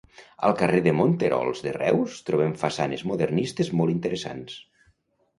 Al Carrer de Monterols de Reus, trobem façanes modernistes molt interessants.